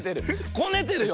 こねてるよ。